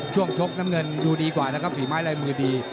ชกน้ำเงินดูดีกว่านะครับฝีไม้ลายมือดี